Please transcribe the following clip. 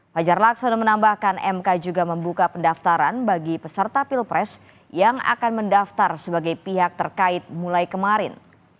fajar laksono menambahkan mk juga membuka pendaftaran bagi peserta pilpres yang akan mendaftar sebagai pihak terkait mulai kemarin